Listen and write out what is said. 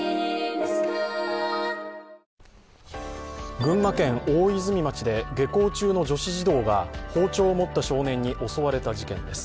群馬県大泉町で下校中の女子児童が包丁を持った少年に襲われた事件です。